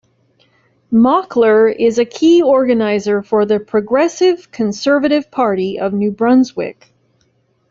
Mockler is a key organizer for the Progressive Conservative Party of New Brunswick.